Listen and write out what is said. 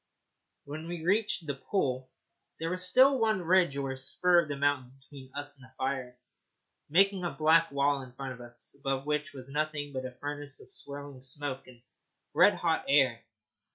When we reached the pool there was still one ridge or spur of the mountains between us and the fire, making a black wall in front of us, above which was nothing but a furnace of swirling smoke and red hot air.